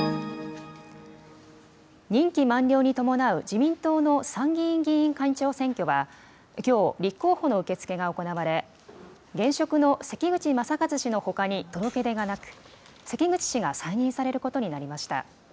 任期満了に伴う自民党の参議院議員会長選挙は、きょう、立候補の受け付けが行われ、現職の関口昌一氏のほかに届け出がなく、関口氏が再任されることになりました。